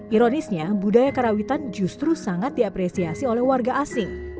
ironisnya budaya karawitan justru sangat diapresiasi oleh warga asing